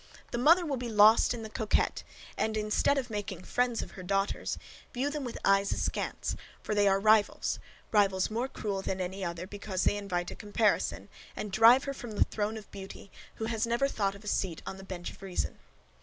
The mother will be lost in the coquette, and, instead of making friends of her daughters, view them with eyes askance, for they are rivals rivals more cruel than any other, because they invite a comparison, and drive her from the throne of beauty, who has never thought of a seat on the bench of reason.